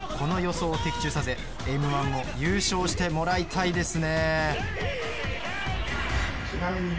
ぜひとも、この予想を的中させＭ‐１を優勝してもらいたいですね。